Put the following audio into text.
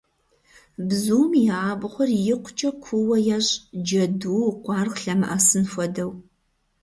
Бзум и абгъуэр икъукӏэ куууэ ещӏ, джэду, къуаргъ лъэмыӏэсын хуэдэу.